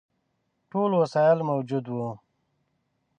ټول وسایل موجود وه.